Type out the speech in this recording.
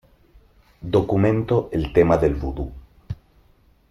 Documento el tema del Vudú.